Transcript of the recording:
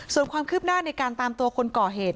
ส่วนความคืบหน้าในการตามตัวคนก่อเหตุ